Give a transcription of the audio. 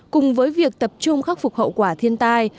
cùng với việc tập trung khắc phục hậu quả thiên tai